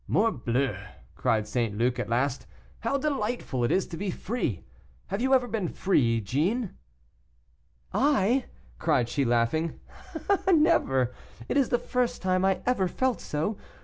"Morbleu!" cried St. Luc, at last, "how delightful it is to be free. Have you ever been free, Jeanne?" "I?" cried she, laughing, "never; it is the first time I ever felt so.